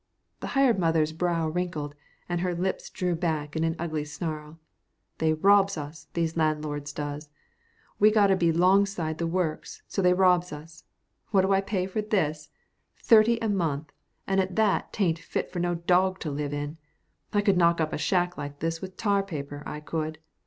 The hired mother's brow wrinkled, and her lips drew back in an ugly snarl. "They robs us, these landlords does. We gotter be 'longside the works, so they robs us. What do I pay for this? Thirty a month, and at that 'tain't fit for no dawg to live in. I could knock up a shack like this with tar paper, I could.